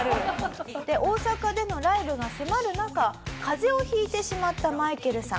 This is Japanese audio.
大阪でのライブが迫る中風邪をひいてしまったマイケルさん。